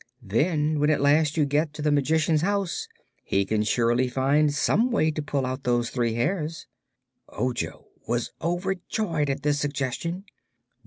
"Then, when at last you get to the Magician's house, he can surely find some way to pull out those three hairs." Ojo was overjoyed at this suggestion.